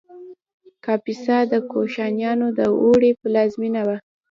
کاپیسا د کوشانیانو د اوړي پلازمینه وه